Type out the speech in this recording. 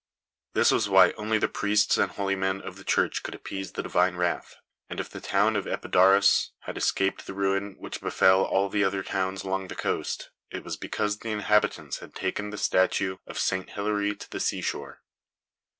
"This was why only the priests and holy men of the church could appease the Divine wrath; and if the town of Epidaurus had escaped the ruin which befell all the other towns along the coast, it was because the inhabitants had taken the statue of St. Hilary to the sea shore.